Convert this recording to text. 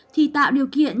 thì tạo điều kiện